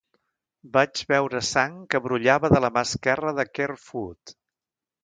Vaig veure sang que brollava de la mà esquerra de Kerfoot.